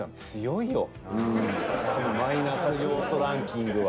マイナス要素ランキングは。